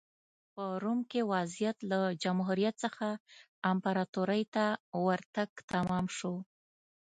په روم کې وضعیت له جمهوریت څخه امپراتورۍ ته ورتګ تمام شو